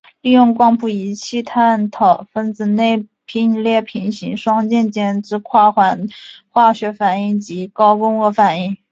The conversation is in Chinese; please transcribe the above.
利用光谱仪器探讨分子内并列平行双键间之跨环化学反应及高共轭效应。